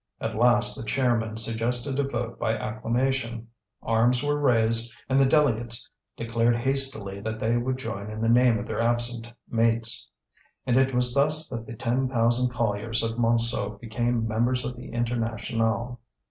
At last the chairman suggested a vote by acclamation. Arms were raised, and the delegates declared hastily that they would join in the name of their absent mates. And it was thus that the ten thousand colliers of Montsou became members of the International.